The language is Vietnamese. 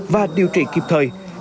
và điều trị kịp thời